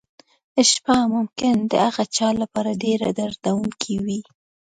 شپه ممکن د هغه چا لپاره ډېره دردونکې وي.